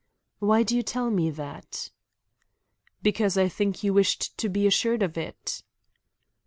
"Why do you tell me that?" "Because I think you wished to be assured of it?"